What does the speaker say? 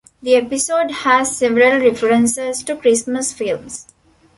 The episode has several references to Christmas films.